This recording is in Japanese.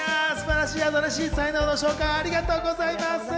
素晴らしい、新しい才能の紹介、ありがとうございます。